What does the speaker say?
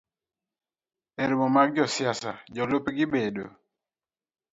E romo mag josiasa, jolupgi bedo